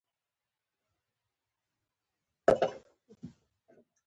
هغه د اسرائیلو او اردنیانو د جګړو د وخت پاتې دي.